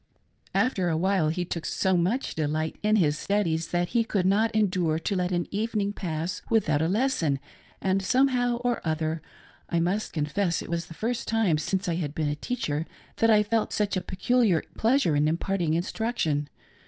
After awhile he took so DECLINING THE VERB JAIME. 7 1 much delight in his studies that he could not endure to let an evening pass without a lesson ; and somehow or other, I must confess, it was the first time since I had been a teacher that I felt such a peculiar pleasure in imparting instruction.